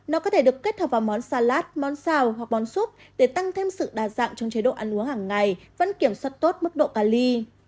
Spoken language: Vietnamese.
nó có thể được kết hợp vào món salad món xào hoặc món súp để tăng thêm sự đa dạng trong chế độ ăn uống hằng ngày vẫn kiểm soát tốt mức độ cali